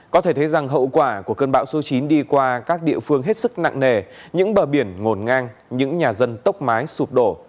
có thể thấy rằng hậu quả của cơn bão số chín đi qua các địa phương hết sức nặng nề những bờ biển ngổn ngang những nhà dân tốc mái sụp đổ